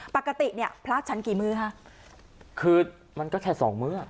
ปกติเนี่ยพระฉันกี่มื้อคะคือมันก็แค่สองมื้อ